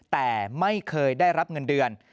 แต่ไม่เคยได้รับเงินเดือน